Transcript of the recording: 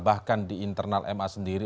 bahkan di internal ma sendiri